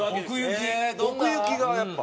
奥行きがやっぱ。